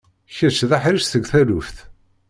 Kečč d aḥric seg taluft.